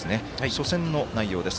初戦の内容です。